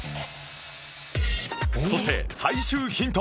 そして最終ヒント